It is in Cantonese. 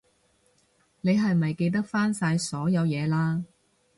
你係咪記得返晒所有嘢喇？